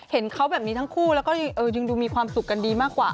เห็นเขาแบบนี้ทั้งคู่แล้วก็ยังดูมีความสุขกันดีมากกว่า